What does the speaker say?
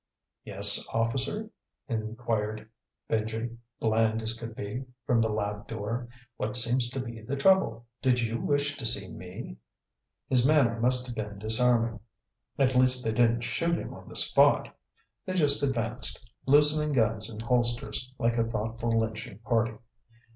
"Yes, officer?" inquired Benji, bland as could be, from the lab door. "What seems to be the trouble? Did you wish to see me?" His manner must have been disarming. At least they didn't shoot him on the spot. They just advanced, loosening guns in holsters, like a thoughtful lynching party.